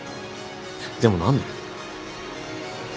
でも何で？